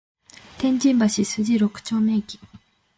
天津橋筋六丁目駅